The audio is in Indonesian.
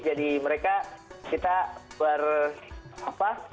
jadi mereka kita ber apa